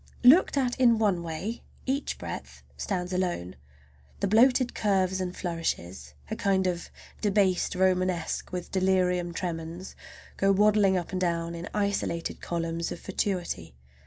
Looked at in one way each breadth stands alone, the bloated curves and flourishes—a kind of "debased Romanesque" with delirium tremens—go waddling up and down in isolated columns of fatuity.